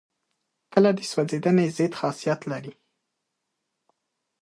کېله د سوځېدنې ضد خاصیت لري.